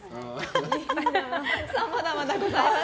まだまだございます。